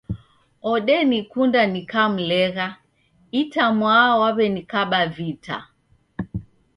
Odenikunda nikamlegha itamwaha waw'enikaba vita.